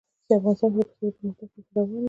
افغانستان کې د پسه د پرمختګ هڅې روانې دي.